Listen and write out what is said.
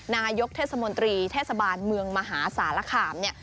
นายกเทศมนตรีเทศบาลเมืองมหาสารคามเนี่ย